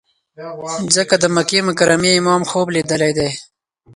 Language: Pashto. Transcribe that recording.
ځکه د مکې مکرمې امام خوب لیدلی دی.